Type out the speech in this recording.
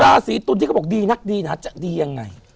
ราศีตุลที่เขาบอกดีนักดีนะจะดียังไง